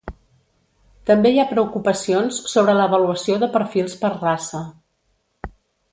També hi ha preocupacions sobre l'avaluació de perfils per raça.